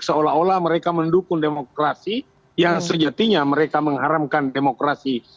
seolah olah mereka mendukung demokrasi yang sejatinya mereka mengharamkan demokrasi